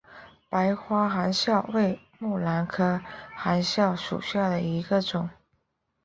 白花含笑为木兰科含笑属下的一个种。